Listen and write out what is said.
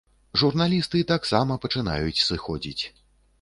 Журналісты таксама пачынаюць сыходзіць.